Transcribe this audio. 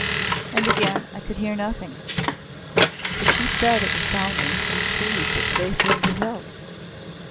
And again I could hear nothing, but she said it was sounding from the trees at the base of the hill.